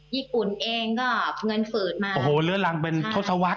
ญี่ปุ่นเองก็เงินฝืดมาโอ้โหเลื้อรังเป็นทศวรรษ